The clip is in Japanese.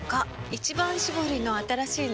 「一番搾り」の新しいの？